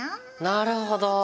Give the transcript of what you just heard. なるほど！